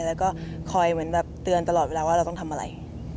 แล้วก็คอยเหมือนแบบเตือนตลอดเวลาว่าเราต้องทำอะไร